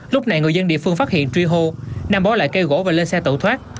lúc này người dân địa phương phát hiện truy hô nam bỏ lại cây gỗ và lên xe tẩu thoát